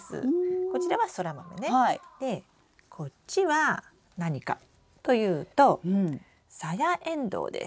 でこっちは何かというとサヤエンドウです。